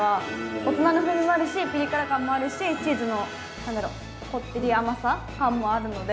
大人の風味もあるしピリ辛感もあるしチーズのなんだろこってり甘さ感もあるので。